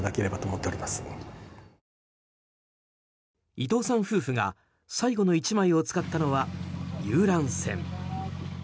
伊藤さん夫婦が最後の１枚を使ったのは遊覧船。